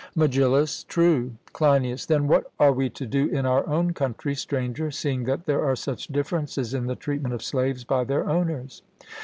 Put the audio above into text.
MEGILLUS: True. CLEINIAS: Then what are we to do in our own country, Stranger, seeing that there are such differences in the treatment of slaves by their owners?